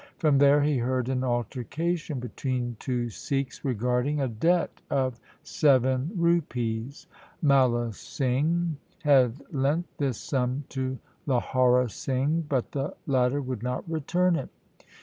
From there he heard an altercation between two Sikhs regarding a debt I 2 n6 THE SIKH RELIGION of seven rupees. Mala Singh had lent this sum to Lahaura Singh, but the latter would not return it.